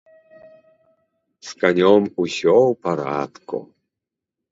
З канём усё ў парадку.